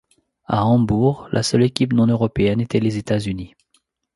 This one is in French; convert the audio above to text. À Hambourg, la seule équipe non-européenne était les États-Unis.